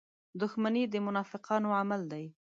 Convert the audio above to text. • دښمني د منافقانو عمل دی.